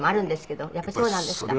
やっぱりそうなんですか？